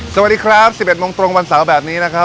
สวัสดีครับ๑๑โมงตรงวันเสาร์แบบนี้นะครับ